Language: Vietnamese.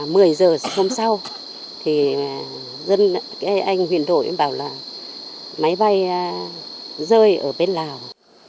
mười giờ hôm sau thì dân anh huyền đội bảo là máy bay rơi ở bên lào